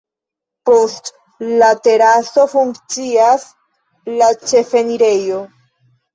Post la teraso funkcias la ĉefenirejo.